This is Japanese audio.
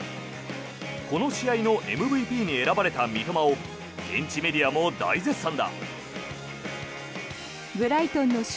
この試合のＭＶＰに選ばれた三笘を現地メディアも大絶賛だ。